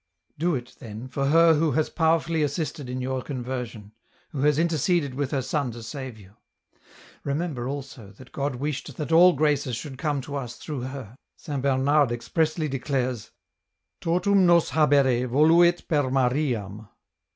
" Do it, then, for her who has powerfully assisted in youi conversion, who has interceded with her Son to save you. Remember, also, that God wished that all graces should come to us through her. St. Bernard expressly declares ' Totum nos habere voluit per Mariam.'